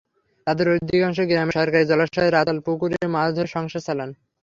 তাঁদের অধিকাংশই গ্রামের সরকারি জলাশয় রাতাল পুকুরে মাছ ধরে সংসার চালান।